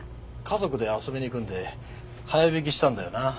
家族で遊びに行くんで早引きしたんだよな？